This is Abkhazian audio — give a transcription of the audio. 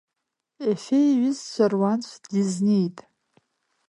Ефе иҩызцәа руаӡә дизнеит…